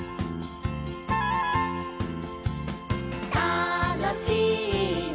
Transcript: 「たのしいね」